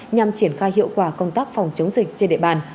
nhằm triển khai hiệu quả công tác phòng chống dịch trên địa bàn